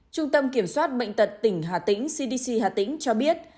trung tâm kiểm soát bệnh tật tỉnh hà tĩnh cdc hà tĩnh cho biết